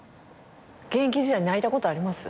現役時代泣いたことあります？